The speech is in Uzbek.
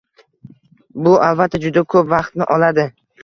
Bu albatta juda ko‘p vaqtni oladi.